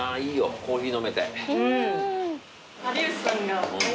コーヒー飲めて。